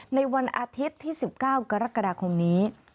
ในวันอาทิตย์ที่๑๙กรกฎาคมนี้